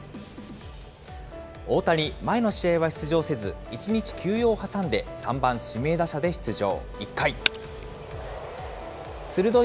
大谷、前の試合は出場せず、１日休養を挟んで、３番指名打者で出場。